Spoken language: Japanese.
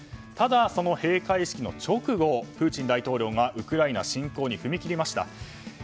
ただ、閉会式の直後プーチン大統領がウクライナ侵攻に踏み切りました。